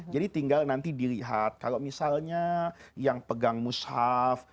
tinggal nanti dilihat kalau misalnya yang pegang mushaf